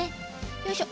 よいしょ。